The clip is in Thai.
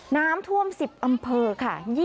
น้ำท่วม๑๐อำเภอค่ะ